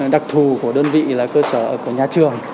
đặc thù của đơn vị là cơ sở của nhà trường